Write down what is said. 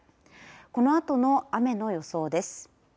このあとの雨の予想です。